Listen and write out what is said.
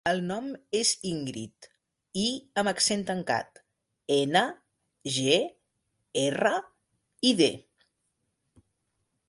El nom és Íngrid: i amb accent tancat, ena, ge, erra, i, de.